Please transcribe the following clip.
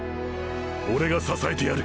オレが支えてやる！！